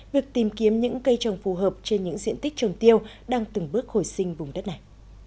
việc tìm kiếm những cây trồng phù hợp trên những diện tích trồng tiêu đang từng bước hồi sinh vùng đất này